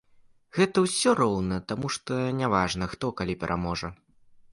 Гэта і ўсё роўна, таму што няважна, хто калі пераможа.